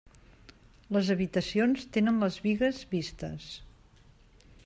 Les habitacions tenen les bigues vistes.